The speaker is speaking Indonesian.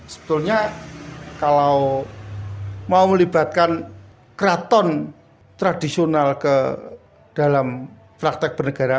sebetulnya kalau mau melibatkan keraton tradisional ke dalam praktek bernegara